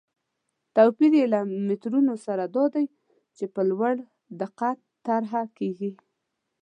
توپیر یې له مترونو سره دا دی چې په لوړ دقت طرحه کېږي.